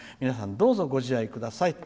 どうぞご自愛ください」。